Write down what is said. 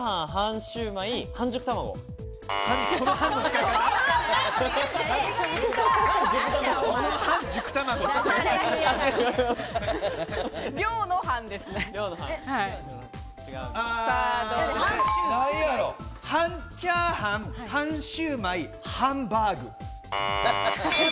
半チャーハン、半シューマイ、ハンバーグ。